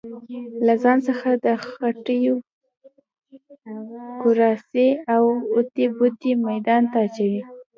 له ځان څخه د خېټوکراسۍ اوتې بوتې ميدان ته اچوي.